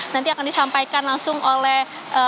nanti akan disampaikan langsung oleh